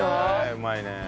うまいね。